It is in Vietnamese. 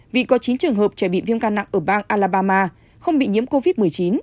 vì có chín trường hợp trẻ bị viêm căn nặng ở bang alabama không bị nhiễm covid một mươi chín